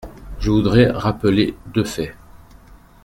Je voudrais rappeler deux faits.